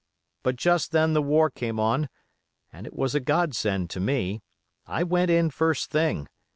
But just then the war came on, and it was a Godsend to me. I went in first thing.